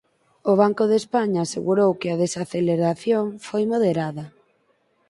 O Banco de España asegurou que a desaceleración foi moderada